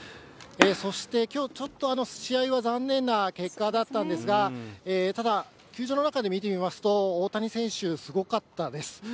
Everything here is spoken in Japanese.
そしてきょうちょっと、試合は残念な結果だったんですが、ただ、球場の中で見てみますと、大谷選手、すごかったです。